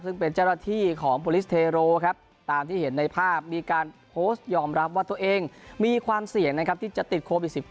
ซึ่งเป็นเจ้าหน้าที่ของโบลิสเทโรครับตามที่เห็นในภาพมีการโพสต์ยอมรับว่าตัวเองมีความเสี่ยงนะครับที่จะติดโควิด๑๙